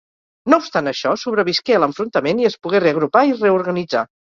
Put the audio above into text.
No obstant això, sobrevisqué a l'enfrontament i es pogué reagrupar i reorganitzar.